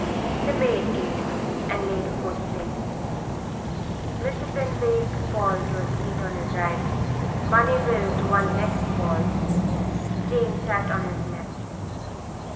The maid came in and laid a fourth place. Mr. Finn waved Paul to a seat on his right, Barney Bill to one next Paul; Jane sat on his left.